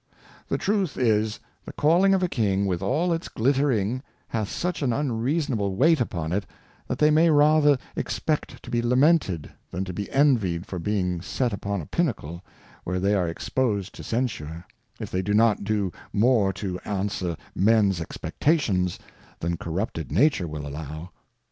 The truth is, the Callings of aJKing, with all its glittering, hath such an unreasonable weight upon it, that they may rather expect to be lamented, than to be envied for being set upon a Pinacle, where they are exposed to Censure, if they do not do more to answer Mens Expectations, than corrupted Nature will allow.